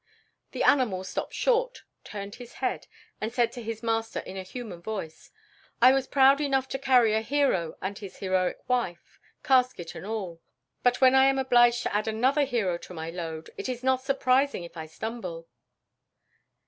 The animal stopped short, turned his head and said to his master in a human voice, "I was proud enough to carry a hero and his heroic wife, casket and all, but when I am obliged to add another hero to my load, it is not surprising if I stumble."